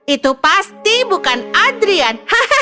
itu pasti bukan adrian